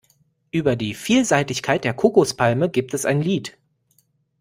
Über die Vielseitigkeit der Kokospalme gibt es ein Lied.